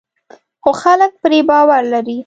خو خلک پرې باور لري.